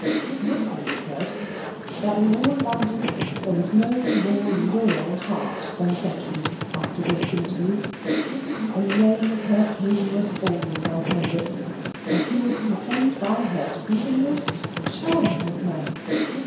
This may be said, that in all London there was no more loyal heart than Becky's after this interview. The name of her king was always on her lips, and he was proclaimed by her to be the most charming of men.